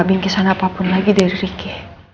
bingki sani apapun lagi dari riki